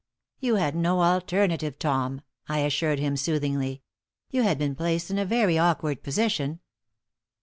"You had no alternative, Tom," I assured him, soothingly; "you had been placed in a very awkward position."